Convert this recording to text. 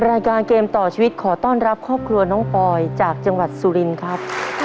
รายการเกมต่อชีวิตขอต้อนรับครอบครัวน้องปอยจากจังหวัดสุรินครับ